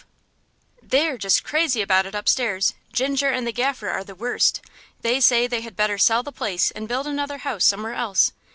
XII "They are just crazy about it upstairs. Ginger and the Gaffer are the worst. They say they had better sell the place and build another house somewhere else.